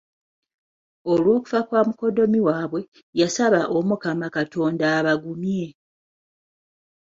Olwokufa kwa mukoddomi waabwe, yasaba Omukama Katonda abagumye.